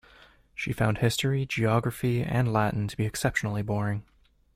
She found history, geography and Latin to be exceptionally boring.